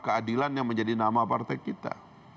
keadilan yang menjadi nama partai kita